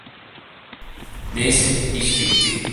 Neyse, iş bitti…